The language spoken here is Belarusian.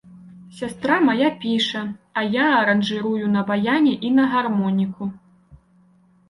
Сястра мая піша, а я аранжырую на баяне і на гармоніку.